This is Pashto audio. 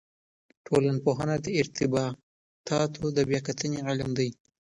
ټولنپوهنه د ارتباطاتو د بیا کتنې علم دی.